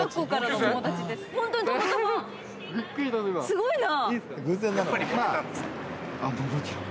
すごいな。